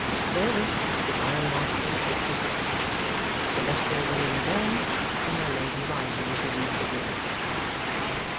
Therewith the ironmaster takes his departure, Sir Leicester ringing the bell and my Lady rising as he leaves the room.